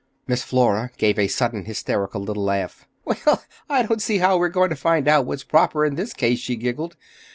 Miss Flora gave a sudden hysterical little laugh. "Well, I don't see how we're going to find out what's proper, in this case," she giggled.